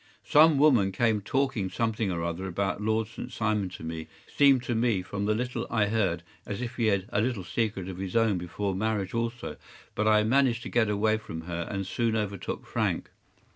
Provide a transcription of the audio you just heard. Some woman came talking something or other about Lord St. Simon to me—seemed to me from the little I heard as if he had a little secret of his own before marriage also—but I managed to get away from her, and soon overtook Frank.